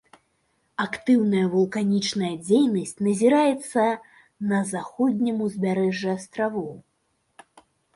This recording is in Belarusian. Актыўная вулканічная дзейнасць назіраецца на заходнім узбярэжжы астравоў.